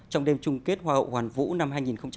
trong đêm chung kết hoa hậu hoàn vũ năm hai nghìn một mươi chín